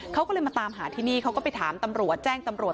เขาก็เลยมาตามหาที่นี่เขาก็ไปถามตำรวจแจ้งตำรวจ